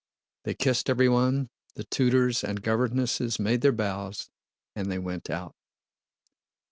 They kissed everyone, the tutors and governesses made their bows, and they went out.